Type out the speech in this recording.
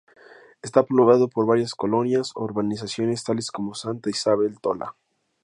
Está poblado por varias colonias o urbanizaciones tales como "Santa Isabel Tola", "Martín Carrera".